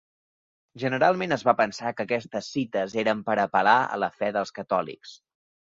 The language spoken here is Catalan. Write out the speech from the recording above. Generalment es va pensar que aquestes cites eren per apel·lar a la fe dels catòlics.